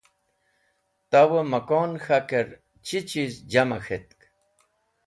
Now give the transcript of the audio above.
Tawẽ mẽkon k̃hakẽr chi chiz jama k̃hetk.?